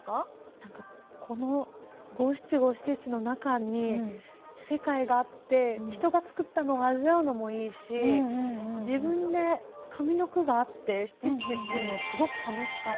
何かこの五七五七七の中に世界があって人が作ったのを味わうのもいいし自分で上の句があって七七作るのすごく楽しかった。